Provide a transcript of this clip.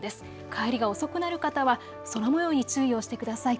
帰りが遅くなる方は空もように注意をしてください。